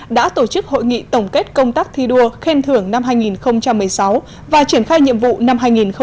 đã tổ chức hội nghị tổng kết công tác thi đua khen thưởng năm hai nghìn một mươi sáu và triển khai nhiệm vụ năm hai nghìn một mươi chín